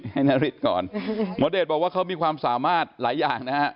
นาริสก่อนหมอเดชบอกว่าเขามีความสามารถหลายอย่างนะฮะ